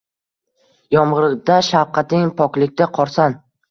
Yomg‘irda – shafqating, poklikda – qorsan.